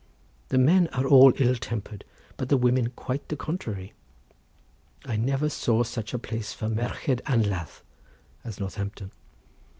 The men are all ill tempered, but the women quite the contrary. I never saw such a place for merched anladd as Northampton.